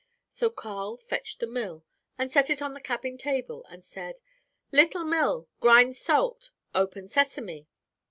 "So Carl fetched the mill, and set it on the cabin table, and said, 'Little mill, grind salt, open sesame.'